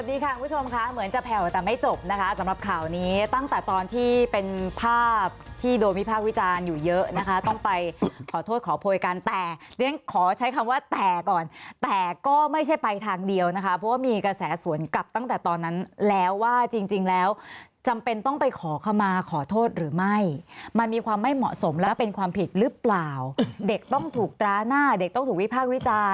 สวัสดีค่ะคุณผู้ชมค่ะเหมือนจะแผ่วแต่ไม่จบนะคะสำหรับข่าวนี้ตั้งแต่ตอนที่เป็นภาพที่โดนวิพากษ์วิจารณ์อยู่เยอะนะคะต้องไปขอโทษขอโพยการแต่เนี่ยขอใช้คำว่าแต่ก่อนแต่ก็ไม่ใช่ไปทางเดียวนะคะเพราะว่ามีกระแสสวนกลับตั้งแต่ตอนนั้นแล้วว่าจริงจริงแล้วจำเป็นต้องไปขอเข้ามาขอโทษห